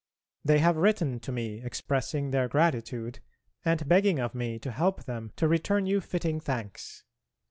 They have written to me expressing their gratitude and begging of me to help them to return you fitting thanks.